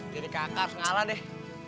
jadi kakak harus ngalah deh